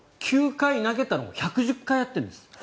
９回投げたのを１１０回やってるんです。